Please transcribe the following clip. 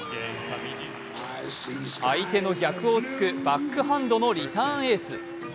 相手の逆をつくバックハンドのリターンエース。